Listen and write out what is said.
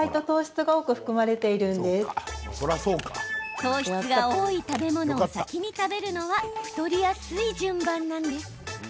糖質が多い食べ物を先に食べるのは太りやすい順番なんです。